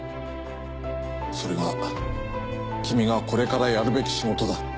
それが君がこれからやるべき仕事だ。